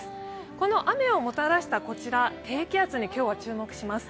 この雨をもたらした低気圧に今日は注目します。